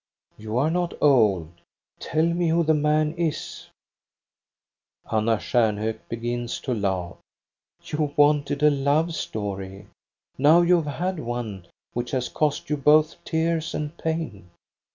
You are not old. Tell me who the man is !*' Anna Stjamhok begins to laugh. "You wanted a love story. Now you have had one which has cost you both tears and pain."